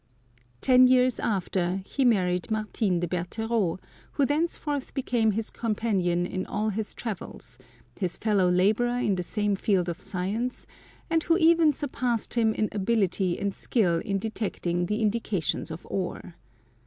Ten years after he married Martine de Bertereau, who thenceforth became his companion in all his travels, his fellow labourer in the same field of science, and who even surpassed him in ability and skill in detecting the indications of ore.